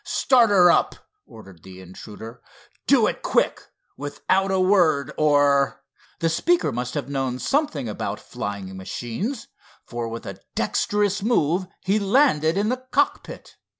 "Start her up," ordered the intruder, "do it quick, without a word, or—" The speaker must have known something about flying machines, for with a dexterous move he landed in the cockpit.